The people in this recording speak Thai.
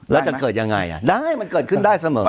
แล้วจะเกิดยังไงอ่ะได้มันเกิดขึ้นได้เสมอ